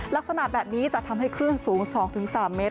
ลักษณะแบบนี้จะทำให้คลื่นสูง๒๓เมตร